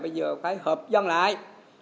bây giờ phải hợp dân lại